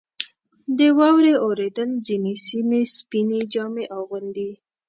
• د واورې اورېدل ځینې سیمې سپینې جامې اغوندي.